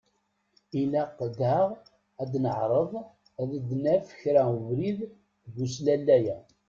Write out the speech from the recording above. Ilaq daɣ ad neεreḍ ad d-naf kra ubrid deg uslellay-a.